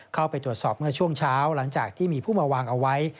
เข้าไปตรวจสอบเมื่อช่วงเช้าหลังจากที่มีผู้มาวางเอาไว้